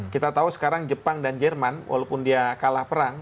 kita tahu sekarang jepang dan jerman walaupun dia kalah perang